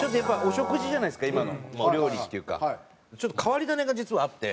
ちょっと変わり種が実はあって。